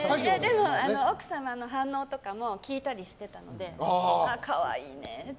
でも、奥様の反応とかも聞いたりしていたんですけど可愛いねって。